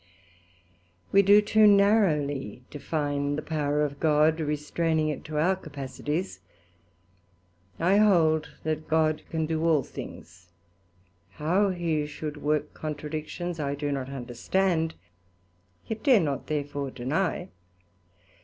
We do too narrowly define the Power of God, restraining it to our capacities. I hold that God can do all things; how he should work contradictions, I do not understand, yet dare not therefore deny.